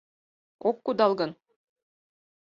Ок кудал гын